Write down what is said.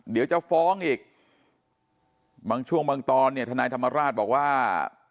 เดี๋ยวจะฟ้องอีกบางช่วงบางตอนเนี่ยทนายธรรมราชบอกว่า